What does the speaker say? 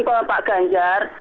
kalau pak ganjar